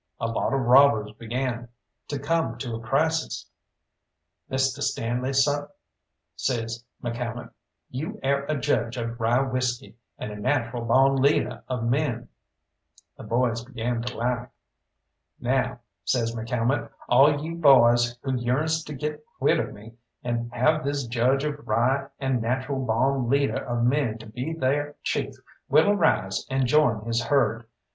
A lot of robbers began to come to a crisis. "Misteh Stanley, seh," says McCalmont, "you air a judge of rye whisky, and a natural bawn leader of men." The boys began to laugh. "Now," says McCalmont, "all you boys who yearns to get quit of me, and have this judge of rye and natural bawn leader of men to be they'r chief, will arise and join his herd.